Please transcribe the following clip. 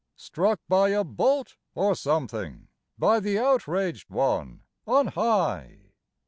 Struck by a bolt, or something, By the outraged One on high.